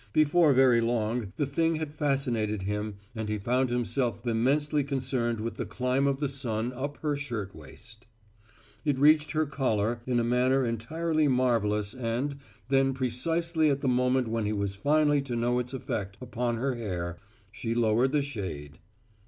Before very long the thing had fascinated him and he found himself immensely concerned with the climb of the sun up her shirt waist. It reached her collar in a manner entirely marvelous and then precisely at the moment when he was finally to know its effect upon her hair, she lowered the shade.